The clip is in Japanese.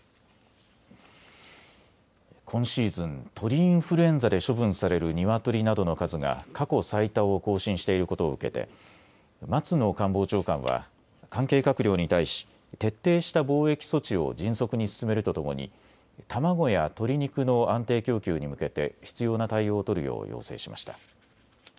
今シーズン、鳥インフルエンザで処分されるニワトリなどの数が過去最多を更新していることを受けて松野官房長官は関係閣僚に対し徹底した防疫措置を迅速に進めるとともに卵や鶏肉の安定供給に向けて必要な対応を取るよう要請しました。